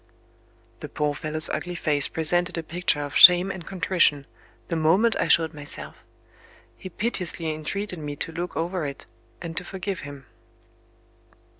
The poor fellow's ugly face presented a picture of shame and contrition, the moment I showed myself. He piteously entreated me to look over it, and to forgive him.